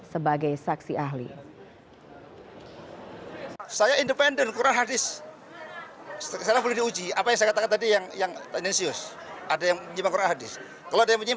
sebagai seorang penasihat hukum